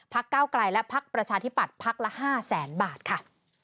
พักเก้าไกรและพักประชาธิปัตย์พักละ๕๐๐๐๐๐บาทค่ะ